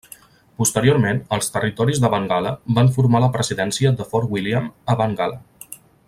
Posteriorment els territoris de Bengala van formar la presidència de Fort William a Bengala.